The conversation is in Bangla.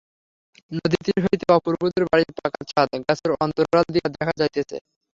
নদীতীর হইতে অপূর্বদের বাড়ির পাকা ছাদ গাছের অন্তরাল দিয়া দেখা যাইতেছে।